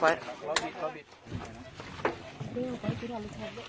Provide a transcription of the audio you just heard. สวัสดีทุกคน